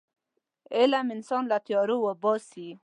علم انسان له تیارو وباسي.